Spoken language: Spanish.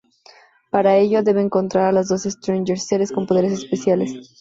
Para ello, debe encontrar a los doce Strangers, seres con poderes especiales.